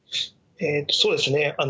そうですね。